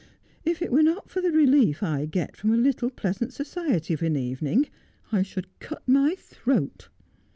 If it were not for the relief I get from a little pleasant society of an evening I should cut my throat.'